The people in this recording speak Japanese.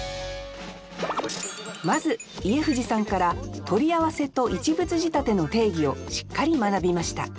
まず家藤さんから取り合わせと一物仕立ての定義をしっかり学びました